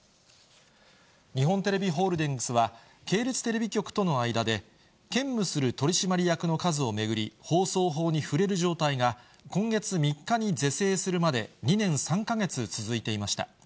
日本テレビホールディングスは、系列テレビ局との間で、兼務する取締役の数を巡り、放送法に触れる状態が、今月３日に是正するまで、２年３か月続いていました。